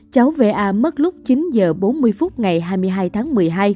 cháu va mất lúc chín h bốn mươi phút ngày hai mươi hai tháng một mươi hai